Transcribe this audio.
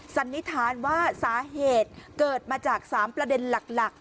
สันนิษฐานว่าสาเหตุเกิดมาจาก๓ประเด็นหลัก